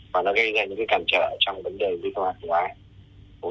và nó gây ra những cản trở trong vấn đề lưu thông hàng hóa